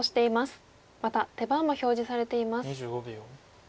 また手番も表示されています。